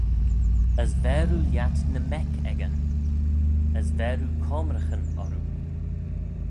As ver oo lhiat ny mec echey, as ver oo coamraghyn orroo.